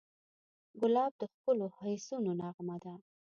ګلاب د ښکلو حسونو نغمه ده.